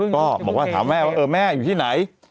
ก็บอกว่าถามแม่ว่าแม่อยู่ที่ไหน